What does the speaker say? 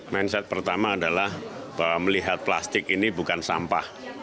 mindset pertama adalah bahwa melihat plastik ini bukan sampah